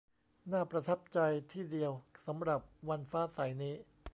น่าประทับใจที่เดียวสำหรับวันฟ้าใสนี้